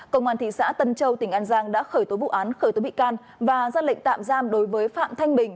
công an thị xã tân châu tỉnh an giang đã khởi tố vụ án khởi tố bị can và ra lệnh tạm giam đối với phạm thanh bình